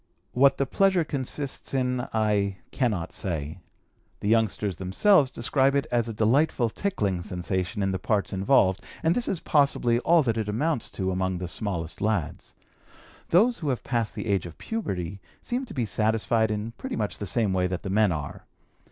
What the pleasure consists in I cannot say. The youngsters themselves describe it as a delightful tickling sensation in the parts involved, and this is possibly all that it amounts to among the smallest lads. Those who have passed the age of puberty seem to be satisfied in pretty much the same way that the men are.